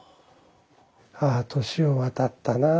「ああ年を渡ったなあ。